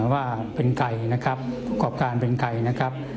ว่าเป็นใครนะครับประกอบการเป็นใครนะครับ